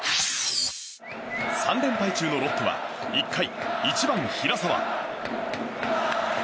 ３連敗中のロッテは１回１番、平沢。